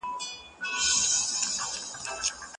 املا بايد سمه او کره وي.